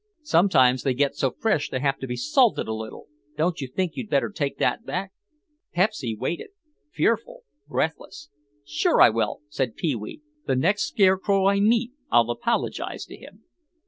"Sometimes they get so fresh they have to be salted a little. Don't you think you'd better take that back?" Pepsy waited, fearful, breathless. "Sure I will," said Pee wee; "the next scarecrow I meet I'll apologize to him."